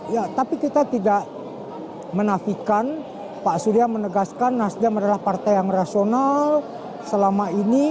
ya tapi kita tidak menafikan pak surya menegaskan nasdem adalah partai yang rasional selama ini